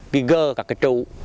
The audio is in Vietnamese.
vì gơ cả cái trụ